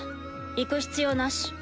行く必要なし。